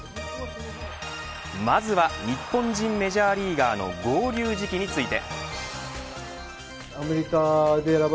まずは日本人メジャーリーガーの合流時期について。